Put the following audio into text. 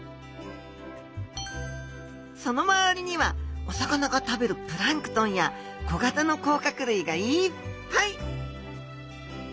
その周りにはお魚が食べるプランクトンや小型の甲殻類がいっぱい！